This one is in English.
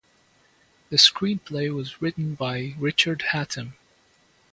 The screenplay was written by Richard Hatem.